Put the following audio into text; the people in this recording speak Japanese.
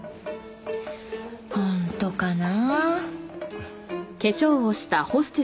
本当かな？